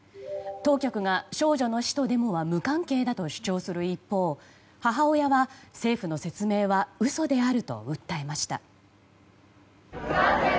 当局が少女の死とデモは無関係だと主張する一方母親は、政府の説明は嘘であると訴えました。